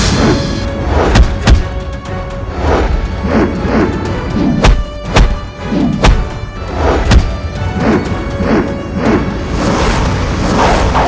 karena aku benar benar ragu